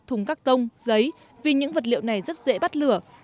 thùng các tông giấy vì những vật liệu này rất dễ bắt lửa